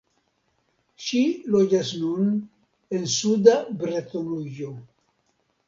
Ŝi loĝas nun en suda Bretonujo.